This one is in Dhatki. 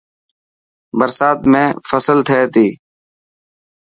برسات ۾ فصل ٿي تي.